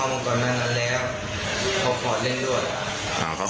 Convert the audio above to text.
ผมแท่งน้องขึ้นอยู่แล้วให้น้องเก็บตัด